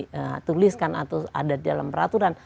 itu harus dituliskan atau ada dalam peraturan